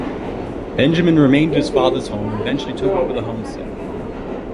Benjamin remained at his father's home, and eventually took over the homestead.